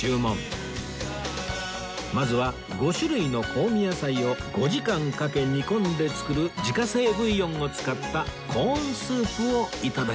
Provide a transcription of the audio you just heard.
まずは５種類の香味野菜を５時間かけ煮込んで作る自家製ブイヨンを使ったコーンスープを頂きます